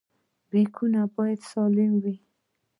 برېکونه باید سالم وي.